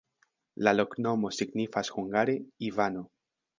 La loknomo signifas hungare: Ivano.